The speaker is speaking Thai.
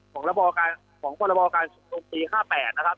ของปรบรบอการชุมนุมปีค่า๘นะครับ